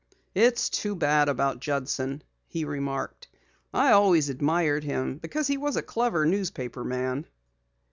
"It's too bad about Judson," he remarked. "I always admired him because he was a clever newspaper man."